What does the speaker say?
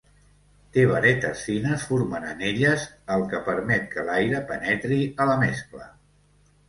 Té varetes fines formant anelles, el que permet que l'aire penetri a la mescla.